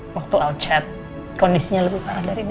waktu alcet kondisinya lebih parah dari ini